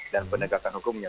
dan pendekatan hukumnya